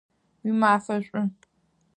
Уимафэ шӏу!